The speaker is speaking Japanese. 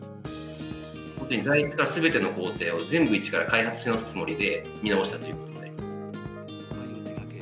本当に材質からすべての工程を全部一から開発し直すつもりで見直したということですね。